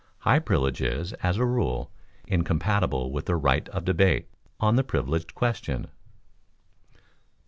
High privilege is, as a rule, incompatible with the right of debate on the privileged question.